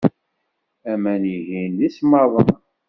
Aman-ihin d isemmaḍen.